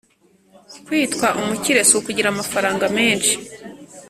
Kuitwa umukire sukugira amafaranga menshi